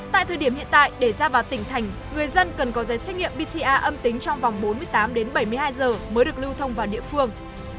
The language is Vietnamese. tại thời điểm hiện tại để ra vào tỉnh thành người dân cần có giấy xét nghiệm pcr âm tính trong vòng bốn mươi tám đến bảy mươi hai giờ mới được lưu thông vào địa phương